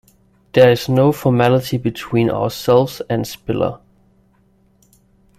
There is no formality between ourselves and Spiller.